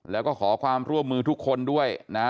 แล้วก็ขอความร่วมมือทุกคนด้วยนะ